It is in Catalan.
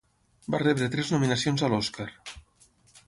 Va rebre tres nominacions a l'Oscar.